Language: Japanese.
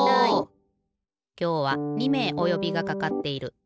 きょうは２めいおよびがかかっている。